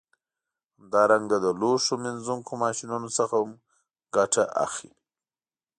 همدارنګه له لوښو مینځونکو ماشینونو څخه هم ګټه اخلي